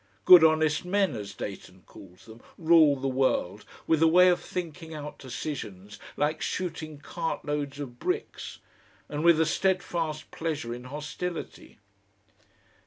"Good honest men," as Dayton calls them, rule the world, with a way of thinking out decisions like shooting cartloads of bricks, and with a steadfast pleasure in hostility.